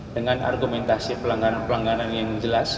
dengan argumentasi pelanggaran pelanggaran yang jelas